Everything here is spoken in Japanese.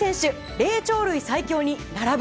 霊長類最強に並ぶ。